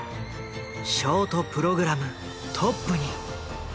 ショートプログラムトップに。